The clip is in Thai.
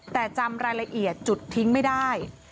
แต่จำรายละเอียดจุดทิ้งไม่ได้